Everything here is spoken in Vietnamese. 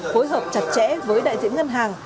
phối hợp chặt chẽ với đại diện ngân hàng